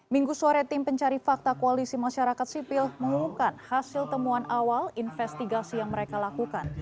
minggu sore tim pencari fakta koalisi masyarakat sipil mengumumkan hasil temuan awal investigasi yang mereka lakukan